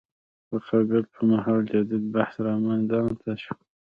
تقابل پر مهال تجدید بحث رامیدان ته شو.